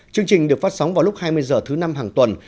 chương trình được phát sóng vào lúc hai mươi h thứ năm hàng tuần